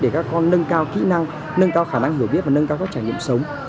để các con nâng cao kỹ năng nâng cao khả năng hiểu biết và nâng cao các trải nghiệm sống